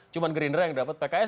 cuma gerindra yang dapat pks